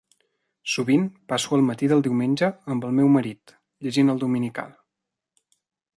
Sovint passo el matí del diumenge amb el meu marit, llegint el dominical.